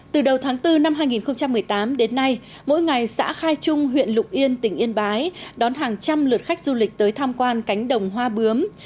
từ đầu tháng bốn năm hai nghìn một mươi tám đến nay mỗi ngày xã khai trung huyện lục yên tỉnh yên bái đón hàng trăm lượt khách du lịch tới tham quan cánh đồng hoa bướm